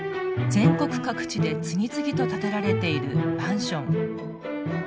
全国各地で次々と建てられているマンション。